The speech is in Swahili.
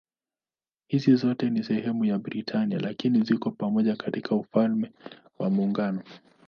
Hizi zote si sehemu ya Britania lakini ziko pamoja katika Ufalme wa Muungano.